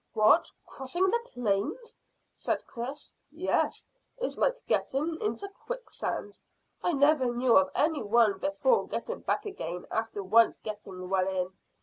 "What, crossing the plains?" said Chris. "Yes. It's like getting into quicksands. I never knew of any one before getting back again after once getting well in.